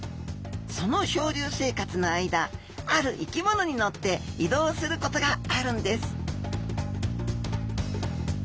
その漂流生活の間ある生き物に乗って移動することがあるんです